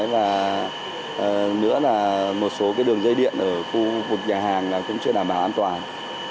và nữa là một số đường dây điện ở khu vực nhà hàng cũng chưa đảm bảo an toàn